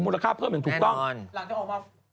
มูลค่าเพิ่มอย่างถูกต้อง